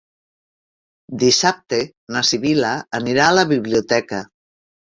Dissabte na Sibil·la anirà a la biblioteca.